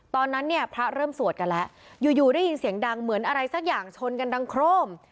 ตอนนั้นเนี่ยพระเริ่มสวดกันแล้วอยู่อยู่ได้ยินเสียงดังเหมือนอะไรสักอย่างชนกันดังโครม